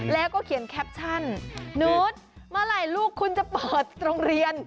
แล้วก็เขียนแคปชั่นนุษย์เมื่อไหร่ลูกคุณจะเปิดโรงเรียน